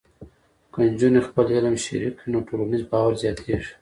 که نجونې خپل علم شریک کړي، نو ټولنیز باور زیاتېږي.